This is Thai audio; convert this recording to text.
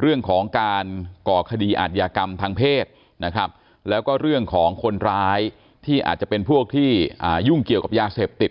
เรื่องของการก่อคดีอาทยากรรมทางเพศนะครับแล้วก็เรื่องของคนร้ายที่อาจจะเป็นพวกที่ยุ่งเกี่ยวกับยาเสพติด